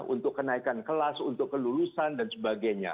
untuk kenaikan kelas untuk kelulusan dan sebagainya